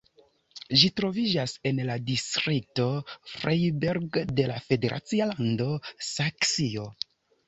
Ĝi troviĝas en la distrikto Freiberg de la federacia lando Saksio.